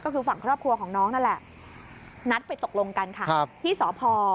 ก็คือฝั่งครอบครัวของน้องนั่นแหละนัดไปตกลงกันค่ะที่สพ